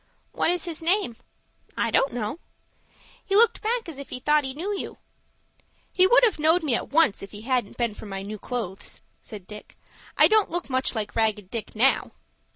"What is his name?" "I don't know." "He looked back as if he thought he knew you." "He would have knowed me at once if it hadn't been for my new clothes," said Dick. "I don't look much like Ragged Dick now."